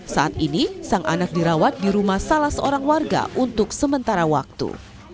saat ini sang anak dirawat di rumah salah seorang warga untuk sementara waktu